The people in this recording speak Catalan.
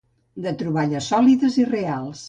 De troballes sòlides i reals.